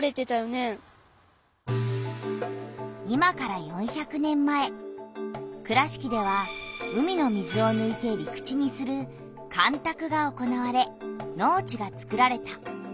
今から４００年前倉敷では海の水をぬいて陸地にする干たくが行われ農地がつくられた。